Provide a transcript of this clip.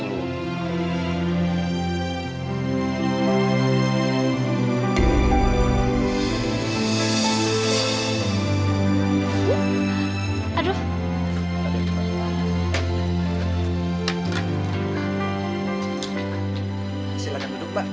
silahkan duduk mbak